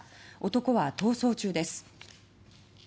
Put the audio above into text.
男は逃走中です。